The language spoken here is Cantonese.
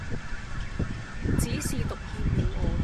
只是獨欠了我